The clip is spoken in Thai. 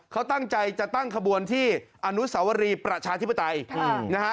เขาตั้งใจจะตั้งขบวนที่อนุสาวรีประชาธิปไตยนะฮะ